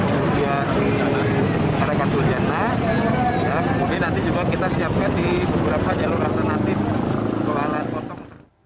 ketiga penerbangan lintas di jawa tengah dan jawa tengah diberikan penghasilan penerbangan